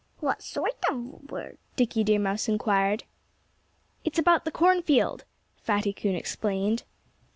"What sort of word?" Dickie Deer Mouse inquired. "It's about the cornfield," Fatty Coon explained.